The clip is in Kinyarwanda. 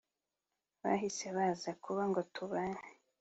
bahise baza kuba ngo tubane